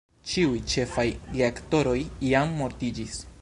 Ĉiuj ĉefaj geaktoroj jam mortiĝis.